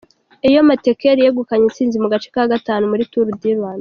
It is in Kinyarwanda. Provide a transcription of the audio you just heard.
Eyob Metkel yegukanye intsinzi mu gace ka gatanu muri Tour du Rwanda.